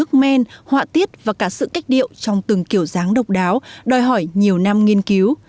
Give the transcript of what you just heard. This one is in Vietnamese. nước men họa tiết và cả sự cách điệu trong từng kiểu dáng độc đáo đòi hỏi nhiều năm nghiên cứu